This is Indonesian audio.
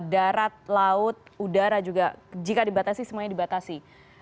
darat laut udara juga jika dibatasi semuanya dibatasi